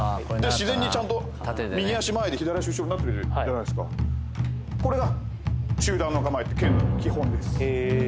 自然にちゃんと右足前で左足後ろになってるじゃないですかこれが中段の構えって剣道の基本ですへえー